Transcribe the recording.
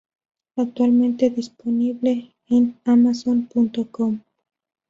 Actualmente disponible en Amazon.com.